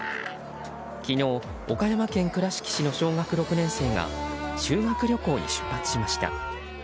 昨日、岡山県倉敷市の小学６年生が修学旅行に出発しました。